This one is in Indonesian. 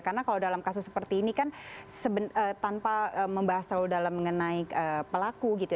karena kalau dalam kasus seperti ini kan tanpa membahas terlalu dalam mengenai pelaku gitu